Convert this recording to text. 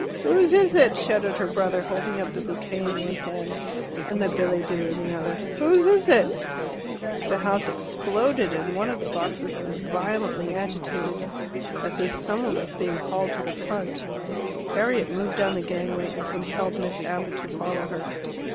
"Whose is it?" shouted her brother, holding up the bouquet in one hand and the billet doux in the other. "Whose is it?" The house exploded, and one of the boxes was violently agitated, as if some one was being hauled to the front. Harriet moved down the gangway, and compelled Miss Abbott to follow her.